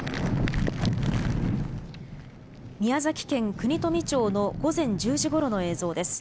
宮崎県国富町の午前１０時ごろの映像です。